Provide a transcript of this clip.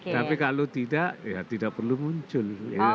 tapi kalau tidak ya tidak perlu muncul